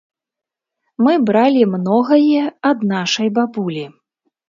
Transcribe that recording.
Мы бралі многае ад нашай бабулі.